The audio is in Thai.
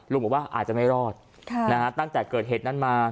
ลุงบอกว่าอาจจะไม่รอดค่ะนะคะตั้งแต่เกิดเหตุนั้นมา